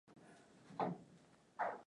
Mwanamke eko piya na haki ya ku fuga